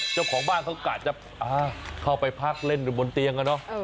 เจ้าของบ้านเขาก็อาจจะเข้าไปพักเล่นบนเตียง